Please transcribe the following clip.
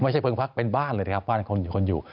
ไม่ใช่เพิ่งพักเป็นบ้านเลยครับบ้านคนหยุด